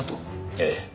ええ。